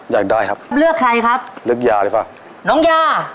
อยากได้ไหม